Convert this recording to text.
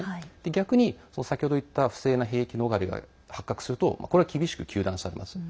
逆に、先ほど言った不正な兵役逃れが発覚するとこれは厳しく糾弾されます。